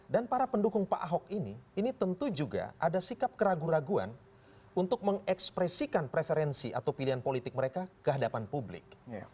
dan para pendukung pak ahok ini ini tentu juga ada sikap keraguan keraguan untuk mengekspresikan preferensi atau pilihan politik mereka kehadapan publik